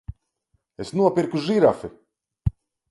Es nopirku žirafi!